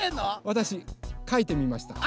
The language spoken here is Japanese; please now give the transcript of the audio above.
わたしかいてみました。